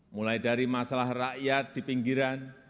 mulai dari masalah rakyat di pinggiran